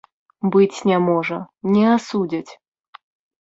Быць не можа, не асудзяць.